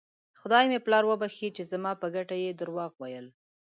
خدای مې پلار وبښي چې زما په ګټه یې درواغ ویل.